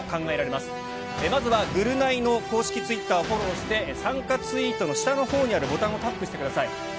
まずはぐるナイの公式ツイッターをフォローして、参加ツイートの下のほうにあるボタンをタップしてください。＃